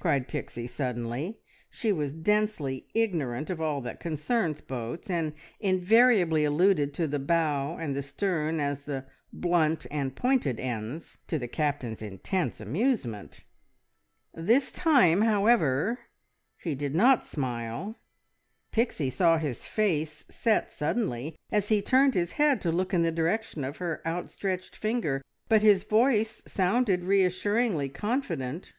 cried Pixie suddenly. She was densely ignorant of all that concerns boats, and invariably alluded to the bow and the stern as the "blunt" and "pointed" ends, to the Captain's intense amusement. This time, however, he did not smile. Pixie saw his face set suddenly as he turned his head to look in the direction of her outstretched finger, but his voice sounded reassuringly confident.